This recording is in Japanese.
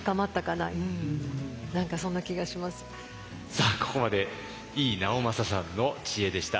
さあここまで井伊直政さんの知恵でした。